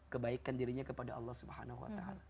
kebaikan dirinya kepada allah swt